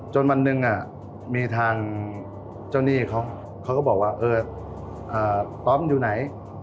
จนวันหนึ่งอ่ะมีทางเจ้าหนี้เขาเขาก็บอกว่าเอออ่าต้อมอยู่ไหน